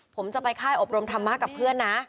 ผมจะไปค่ายอบรมธรรมะกับเพื่อนนะ